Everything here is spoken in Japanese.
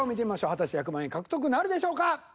果たして１００万円獲得なるでしょうか？